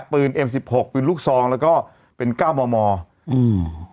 เอ็มสิบหกปืนลูกซองแล้วก็เป็นเก้ามอมออืม